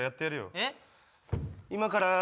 えっ？